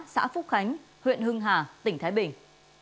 xã phúc khánh huyện hưng hà tỉnh thái bình